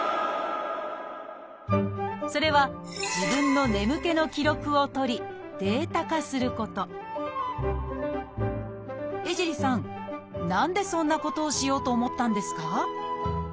それは自分の江尻さん何でそんなことをしようと思ったんですか？